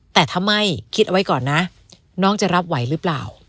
แต่ถ้าไม่คิดเอาไว้ก่อนนะน้องจะรับไหวหรือเปล่า